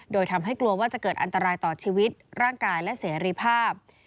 โดยทำให้กลัวว่าจะเกิดอันตรายต่อชีวิตร่างกายและเสรีภาพ